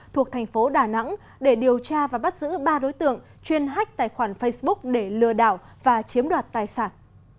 thuộc thành phố đà nẵng để điều tra và bắt giữ ba đối tượng chuyên hách tài khoản facebook để lừa đảo và chiếm đoạt tài sản